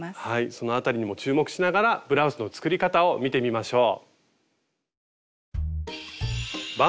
その辺りにも注目しながらブラウスの作り方を見てみましょう。